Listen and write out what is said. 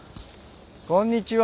こんにちは。